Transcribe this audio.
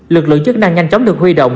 lực lượng chức năng nhanh chóng được huy động